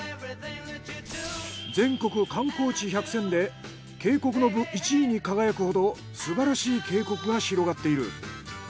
全国観光地百選で渓谷の部１位に輝くほどすばらしい渓谷が広がっている。